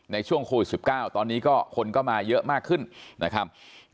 ในช่วงโควิด๑๙ตอนนี้ก็คนก็มาเยอะมากขึ้นนะครับ